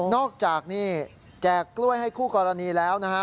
อกจากนี่แจกกล้วยให้คู่กรณีแล้วนะฮะ